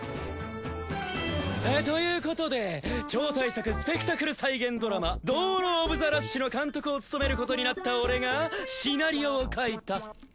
ということで超大作スペクタクル再現ドラマ『ドーロ・オブ・ザ・ラッシュ』の監督を務めることになった俺がシナリオを書いた。